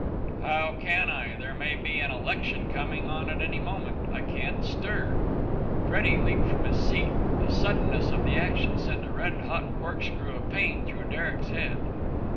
"How can I? There may be an election coming on at any moment. I can't stir." Freddie leaped from his seat. The suddenness of the action sent a red hot corkscrew of pain through Derek's head.